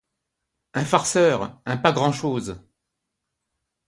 Un farceur, un pas-grand-chose.